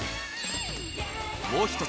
もう一つ